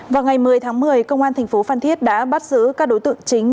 vào ngày một mươi tháng một mươi công an thành phố phan thiết đã bắt giữ các đối tượng chính